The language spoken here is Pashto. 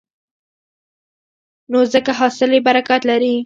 نو ځکه حاصل یې برکت لري.